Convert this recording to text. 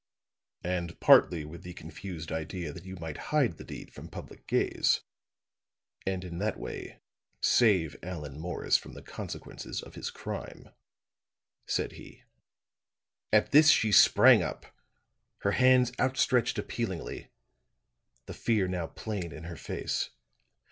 "And partly with the confused idea that you might hide the deed from public gaze and in that way save Allan Morris from the consequences of his crime," said he. At this she sprang up, her hands outstretched appealingly; the fear now plain in her face.